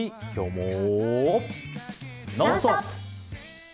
「ノンストップ！」。